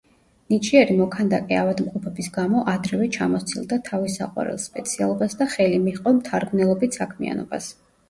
ნიჭიერი მოქანდაკე ავადმყოფობის გამო ადრევე ჩამოსცილდა თავის საყვარელ სპეციალობას და ხელი მიჰყო მთარგმნელობით საქმიანობას.